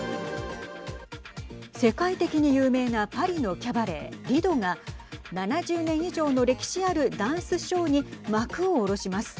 世界的に有名なパリのキャバレーリドが７０年以上の歴史あるダンスショーに幕を下ろします。